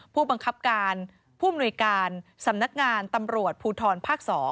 ผู้บังคับการผู้มนุยการสำนักงานตำรวจภูทรภาค๒